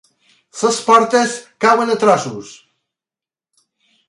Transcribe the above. Les portes cauen a trossos.